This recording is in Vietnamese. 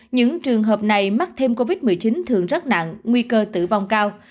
những trường hợp này mắc thêm covid một mươi chín thường rất nặng nguy cơ tử vong cao